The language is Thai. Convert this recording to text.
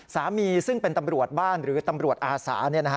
สามีซึ่งเป็นตำรวจบ้านหรือตำรวจอาสา